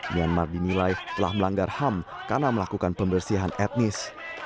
myanmar dinilai telah melanggar ham karena melakukan pembersihan etnis